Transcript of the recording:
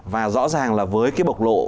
và rõ ràng là với cái bộc lộ